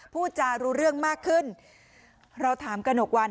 พูดจารู้เรื่องมากขึ้นเราถามกระหนกวัน